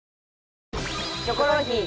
『キョコロヒー』